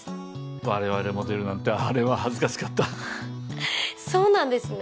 我々も出るなんてあれは恥ずかしかったそうなんですね